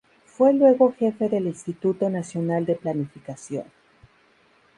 Fue luego jefe del Instituto Nacional de Planificación.